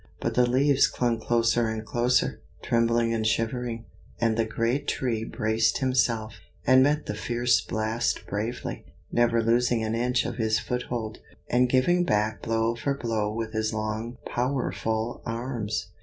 But the leaves clung closer and closer, trembling and shivering; and the great Tree braced himself, and met the fierce blast bravely, never losing an inch of his foothold, and giving back blow for blow with his long powerful arms.